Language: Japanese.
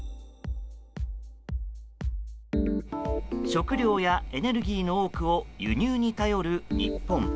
食料やエネルギーの多くを輸入に頼る日本。